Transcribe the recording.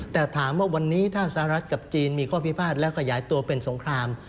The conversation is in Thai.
แต่ถามว่าวันนี้ถ้าสหรัฐกับจีนมีข้อพิพาทและขยายตัวเป็นสงคราม